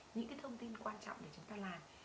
những cái thông tin quan trọng để chúng ta làm